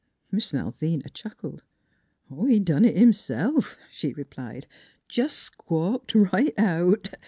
" Miss Malvina chuckled: " He done it himself," she replied. " Jes' squawked right out.